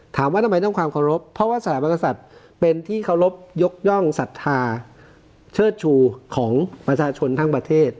ถามว่าทำไมต้องความเคารพเพราะว่าสถาบันกษัตริย์เป็นที่เคารพยกย่องศรัทธาเชิดชูของประชาชนทั้งประเทศ